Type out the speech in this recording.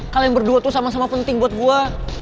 kalo yang berdua tuh sama sama penting buat gue